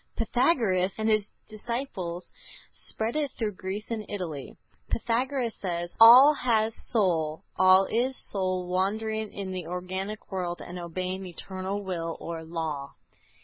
Pythagoras and his disciples spread it through Greece and Italy. Pythagoras says: "All has soul; all is soul wandering in the organic world, and obeying eternal will or law."